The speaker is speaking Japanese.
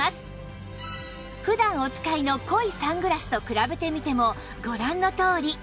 普段お使いの濃いサングラスと比べてみてもご覧のとおり